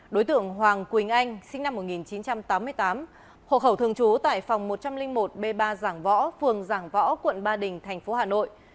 đối tượng hoàng quỳnh anh sinh năm một nghìn chín trăm tám mươi tám hộ khẩu thường trú tại phòng một trăm linh một b ba giảng võ phường giảng võ quận ba đình tp hà nội